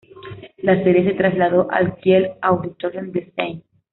La serie se trasladó al Kiel Auditorium de St.